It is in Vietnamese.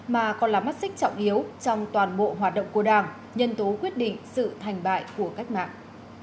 mà còn là mắt xích trọng yếu trong toàn bộ hoạt động của đảng nhân tố quyết định sự thành bại của cách mạng